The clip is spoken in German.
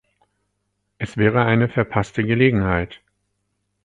Es wäre eine verpasste Gelegenheit.